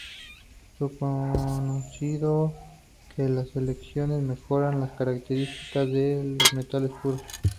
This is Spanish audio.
Es conocido que las aleaciones mejoran las características de los metales puros.